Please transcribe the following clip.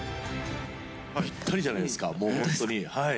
ぴったりじゃないですか、本当ですか。